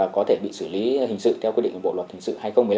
có thể bị xử lý hình sự theo quy định bộ luật hình sự hai nghìn một mươi năm